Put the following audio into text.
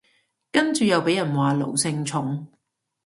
跟住又被人話奴性重